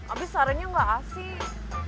abis sarannya gak asyik